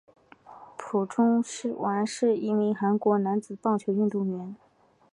朴勍完是一名韩国男子棒球运动员。